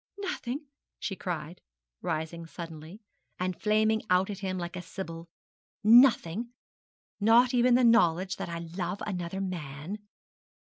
'Nothing?' she cried, rising suddenly, and flaming out at him like a sibyl 'nothing? Not even the knowledge that I love another man?'